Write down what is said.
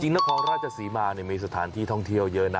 นครราชศรีมามีสถานที่ท่องเที่ยวเยอะนะ